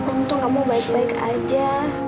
untung kamu baik baik aja